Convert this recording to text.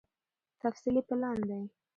تفصيلي پلان دی